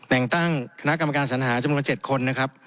แต่งตั้งคณะกรรมการสัญหาจำนวน๗คนนะครับ